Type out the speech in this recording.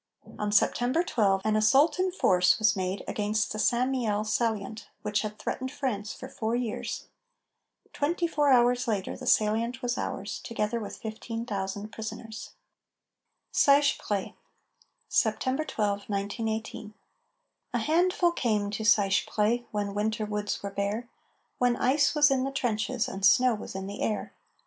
On September 12 an assault in force was made against the St. Mihiel salient, which had threatened France for four years. Twenty four hours later the salient was ours, together with 15,000 prisoners. SEICHEPREY [September 12, 1918] A handful came to Seicheprey When winter woods were bare, When ice was in the trenches And snow was in the air.